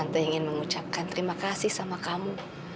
saya ingin mengucapkan terima kasih sama kamu